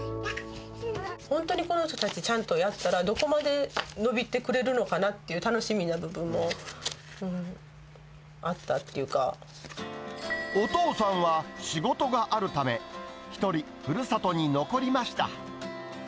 本当にこの人たち、ちゃんとやったら、どこまで伸びてくれるのかなっていう楽しみな部分もあったっていお父さんは仕事があるため、１人ふるさとに残りました。